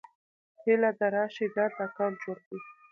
هيله ده راشٸ ځانته اکونټ جوړ کړى